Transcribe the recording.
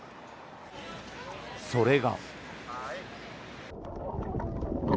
それが。